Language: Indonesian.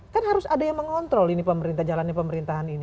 kan harus ada yang mengontrol ini pemerintah jalannya pemerintahan ini